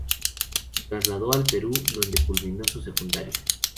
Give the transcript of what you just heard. Se trasladó al Perú donde culminó su secundaria.